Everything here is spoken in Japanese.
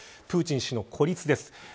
プーチン氏の孤立です。